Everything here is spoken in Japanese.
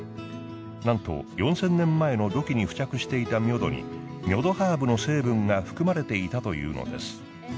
なんと４０００年前の土器に付着していたミョドにミョドハーブの成分が含まれていたというのです。